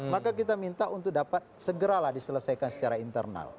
maka kita minta untuk dapat segeralah diselesaikan secara internal